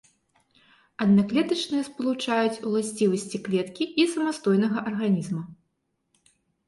Аднаклетачныя спалучаюць уласцівасці клеткі і самастойнага арганізма.